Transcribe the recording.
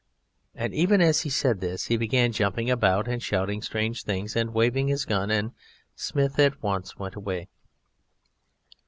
And even as he said this he began jumping about and shouting strange things and waving his gun, and Smith at once went away.